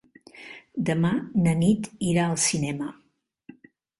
Demà na Nit irà al cinema.